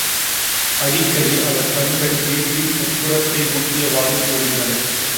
அடிக்கடி அவர் கண்கள் வீட்டின் உட்புறத்தை நோக்கியவாறு இருந்தன.